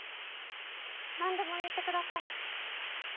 何でも言ってください。